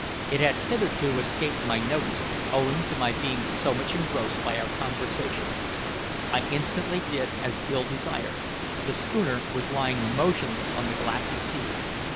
It had hitherto escaped my notice, owing to my being so much engrossed by our conversation. I instantly did as Bill desired, for the schooner was lying motionless on the glassy sea.